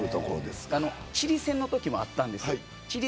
チリ戦のときもあったんです。